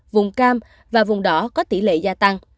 vùng cam và vùng đỏ có tỷ lệ gia tăng